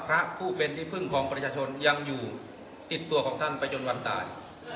พระผู้เป็นที่พึ่งของประชาชนยังอยู่ติดตัวของท่านไปจนวันตาย